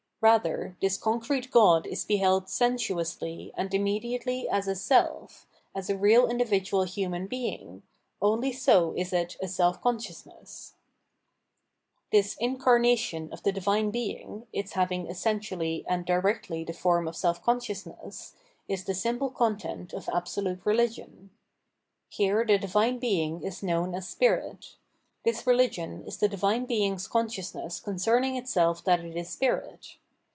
Rather, this concrete God is beheld ;sensuously and immediately as a self, as a real indi vidual human being; only so is it a seH consciousness, This incarnation of the Divine Being, its having essentially and directly the form of self consciousness, is the simple content of Absolute Religion. Here the Divine Being is known as spirit ; this rehgion is the Divine Being's consciousness concerning itself that it is Spirit.